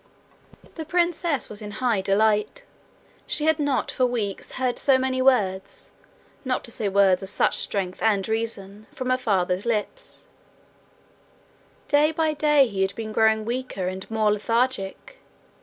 The princess was in high delight. She had not for weeks heard so many words, not to say words of such strength and reason, from her father's lips: day by day he had been growing weaker and more lethargic.